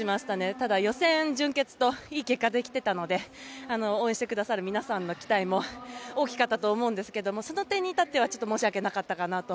ただ予選、準決勝といい結果で来ていたので応援してくださる皆さんの期待も大きかったと思うんですけどその点に至っては、ちょっと申し訳なかったかなと。